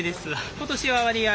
今年は割合